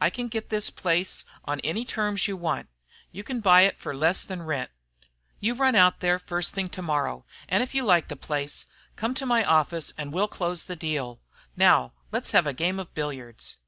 I can get this place on any terms you want. You can buy it for less than rent. You run out there the first thing to morrow, and if you like the place, come to my office and we 'll close the deal. Now let's have a game of billiards."